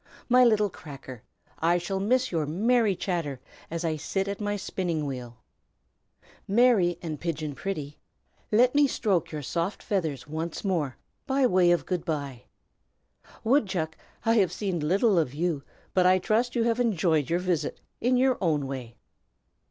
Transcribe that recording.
My little Cracker, I shall miss your merry chatter as I sit at my spinning wheel. Mary, and Pigeon Pretty, let me stroke your soft feathers once more, by way of 'good by.' Woodchuck, I have seen little of you, but I trust you have enjoyed your visit, in your own way.